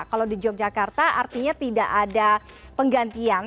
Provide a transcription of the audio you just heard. kalau di yogyakarta artinya tidak ada penggantian